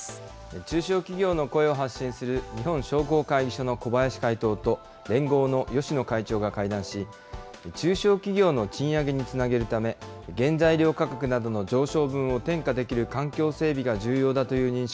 中小企業の声を発信する日本商工会議所の小林会頭と、連合の芳野会長が会談し、中小企業の賃上げにつなげるため、原材料価格などの上昇分を転嫁できる環境整備が重要だという認識